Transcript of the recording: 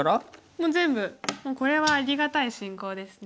もう全部これはありがたい進行ですね